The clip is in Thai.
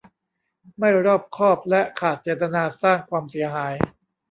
ไม่รอบคอบและขาดเจตนาสร้างความเสียหาย